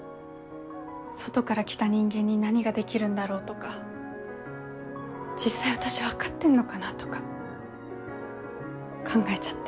外から来た人間に何ができるんだろうとか実際私分かってんのかなとか考えちゃって。